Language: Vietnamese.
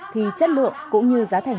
thì chất lượng cũng như giá thành